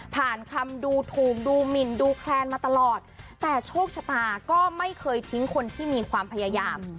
คำดูถูกดูหมินดูแคลนมาตลอดแต่โชคชะตาก็ไม่เคยทิ้งคนที่มีความพยายาม